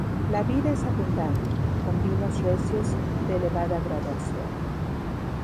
La vid es abundante, con vinos recios, de elevada graduación.